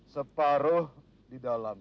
separuh di dalam